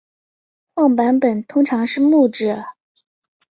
晃板本身通常是木制。